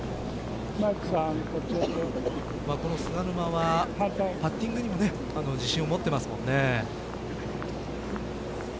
この菅沼はパッティングにも自信を持っていますもんね。